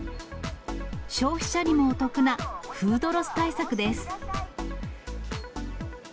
消費者にもお得なフードロス対策です。